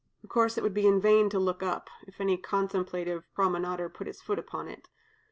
Of course, it would be in vain to look up, if any contemplative promenader put his foot upon it.